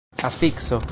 afikso